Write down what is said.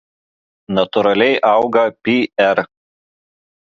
Natūraliai auga p.r.